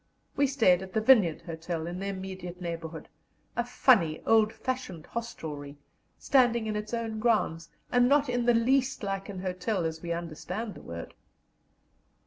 We stayed at the Vineyard Hotel in the immediate neighbourhood a funny old fashioned hostelry, standing in its own grounds, and not in the least like an hotel as we understand the word.